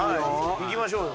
いきましょうよ。